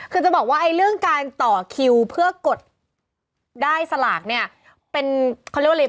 คือจะบอกว่าเรื่องการต่อคิวเพื่อกดได้สลากเนี่ย